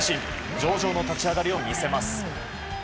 上々の立ち上がりを見せます。